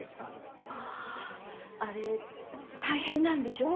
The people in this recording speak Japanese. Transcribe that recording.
あああれ大変なんでしょ？